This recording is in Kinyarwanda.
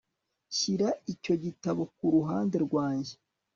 shyira icyo gitabo ku ruhande rwanjye